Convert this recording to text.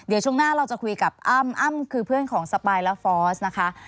เดี๋ยวช่วงหน้าเราจะคุยกับอ้ำอ้ำคือเพื่อนของสปายและฟอสนะคะ